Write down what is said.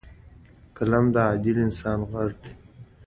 قلم د عادل انسان غږ دی